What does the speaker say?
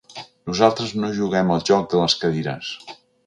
Nosaltres no juguem al joc de les cadires.